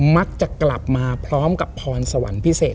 มักจะกลับมาพร้อมกับพรสวรรค์พิเศษ